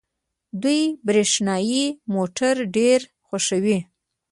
دوی برښنايي موټرې ډېرې خوښوي.